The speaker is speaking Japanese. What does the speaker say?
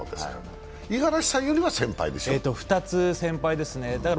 五十嵐さんよりは先輩ですか？